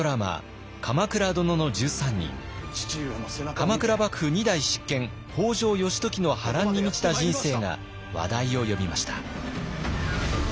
鎌倉幕府２代執権北条義時の波乱に満ちた人生が話題を呼びました。